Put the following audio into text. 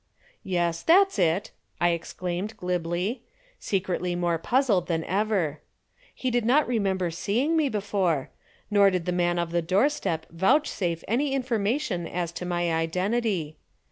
"Yes, that's it," I exclaimed glibly, secretly more puzzled than ever. He did not remember seeing me before, nor did the man of the doorstep vouchsafe any information as to my identity.